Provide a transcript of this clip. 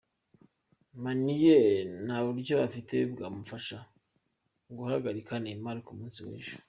Meunier nta buryo afite bwamufasha guhagarika Neymar ku munsi w’ejo.